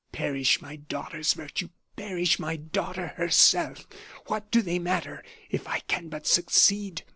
Perish my daughter's virtue perish my daughter herself what do they matter, if I can but succeed?"